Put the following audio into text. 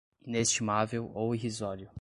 inestimável ou irrisório